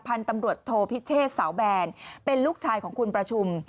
พันธุ์ตำรวจโทพิเชษเสาแบนเป็นลูกชายของคุณประชุม